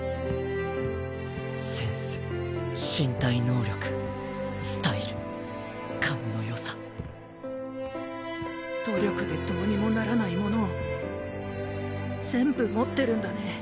センス身体能力努力でどうにもならないものを全部持ってるんだね。